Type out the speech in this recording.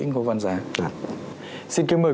ngô văn giá xin kêu mời